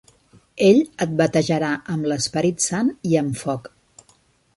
Ell et batejarà amb l'Esperit Sant i amb foc.